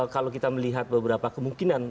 kalau kita melihat beberapa kemungkinan